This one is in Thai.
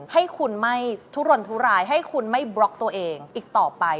ให้คุณไม่ทุรนทุรายให้คุณไม่บล็อกตัวเองอีกต่อไป